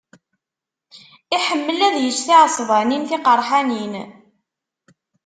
Iḥemmel ad yečč tiɛesbanin tiqeṛḥanin.